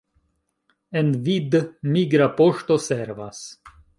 En Vid migra poŝto servas.